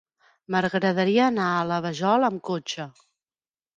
M'agradaria anar a la Vajol amb cotxe.